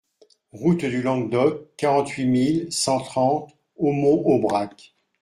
Route du Languedoc, quarante-huit mille cent trente Aumont-Aubrac